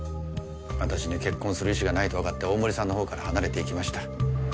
私に結婚する意思がないとわかって大森さんの方から離れていきました。